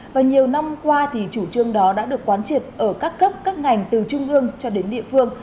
và nhiều năm qua thì chủ trương đó đã được quán triệt ở các cấp các ngành từ trung ương cho đến địa phương